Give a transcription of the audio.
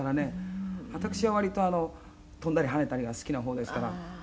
「私は割と飛んだり跳ねたりが好きな方ですから」